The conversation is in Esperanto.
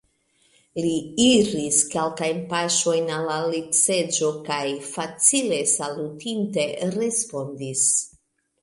Li iris kelkajn paŝojn al la litseĝo kaj, facile salutinte, respondis: